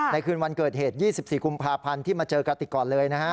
คืนวันเกิดเหตุ๒๔กุมภาพันธ์ที่มาเจอกระติกก่อนเลยนะฮะ